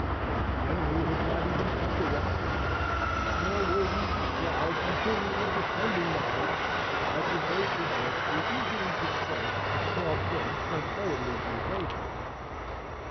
The enemy had not even kept a watch on it; nor were we descried until we were descending the height, at the base of which we easily dispersed a small force sent hurriedly to oppose us.